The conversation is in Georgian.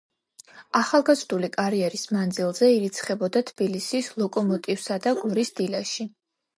ახალგაზრდული კარიერის მანძლზე ირიცხებოდა თბილისის „ლოკომოტივსა“ და გორის „დილაში“.